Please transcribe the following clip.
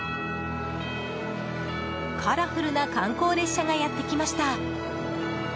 カラフルな観光列車がやってきました。